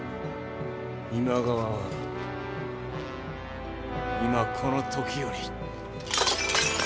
今川は今この時より。